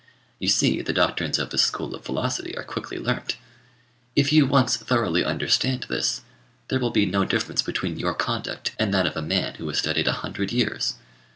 You see the doctrines of this school of philosophy are quickly learnt. If you once thoroughly understand this, there will be no difference between your conduct and that of a man who has studied a hundred years.